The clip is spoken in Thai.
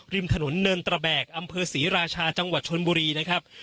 ริมถนนเนินตระแบกอำเภอศรีราชาจังหวัดชนบุรีนะครับ